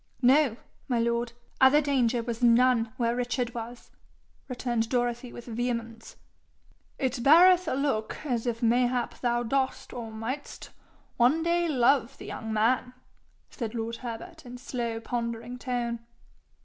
'No, my lord. Other danger was none where Richard was,' returned Dorothy with vehemence. 'It beareth a look as if mayhap thou dost or mightst one day love the young man!' said lord Herbert in slow pondering tone.